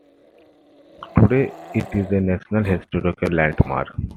Today it is a National Historic Landmark.